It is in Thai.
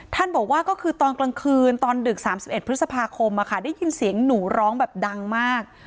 บอกว่าก็คือตอนกลางคืนตอนดึก๓๑พฤษภาคมได้ยินเสียงหนูร้องแบบดังมาก